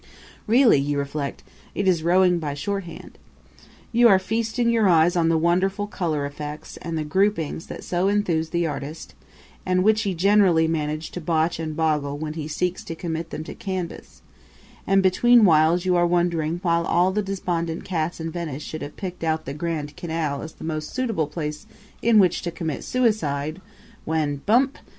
Really, you reflect, it is rowing by shorthand. You are feasting your eyes on the wonderful color effects and the groupings that so enthuse the artist, and which he generally manages to botch and boggle when he seeks to commit them to canvas; and betweenwhiles you are wondering why all the despondent cats in Venice should have picked out the Grand Canal as the most suitable place in which to commit suicide, when bump!